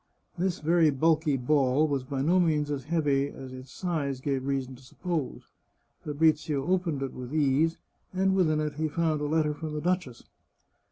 This very bulky ball was by no means as heavy as its size gave reason to suppose. Fabrizio opened it with ease, and within it he found a letter from the duchess.